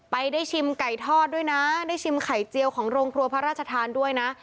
ได้ชิมไก่ทอดด้วยนะได้ชิมไข่เจียวของโรงครัวพระราชทานด้วยนะ